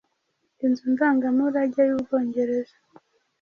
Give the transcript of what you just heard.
Inzu Ndangamurage yUbwongereza